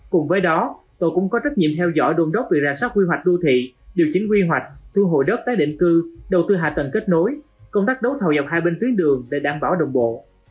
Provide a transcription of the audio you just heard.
cùng với đó tổ cũng có trách nhiệm theo dõi đồn đốc việc rà sát quy hoạch đô thị điều chính quy hoạch thu hồi đất tái định cư đầu tư hạ tầng kết nối công tác đấu thầu dọc hai bên tuyến đường để đảm bảo đồng bộ